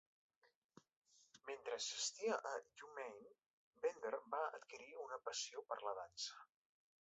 Mentre assistia a U-Maine, Bender va adquirir una passió per la dansa.